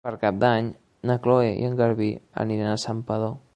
Per Cap d'Any na Cloè i en Garbí aniran a Santpedor.